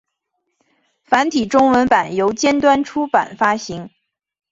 繁体中文版由尖端出版发行。